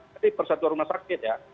tadi persatuan rumah sakit ya